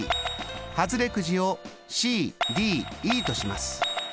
ハズレくじをＣＤＥとします。